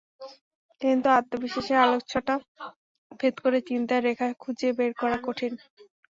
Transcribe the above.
কিন্তু আত্মবিশ্বাসের আলোকছটা ভেদ করে চিন্তার রেখা খুঁজে বের করা কঠিন।